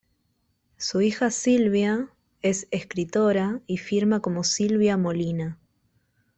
Su hija Silvia, es escritora y firma como Silvia Molina.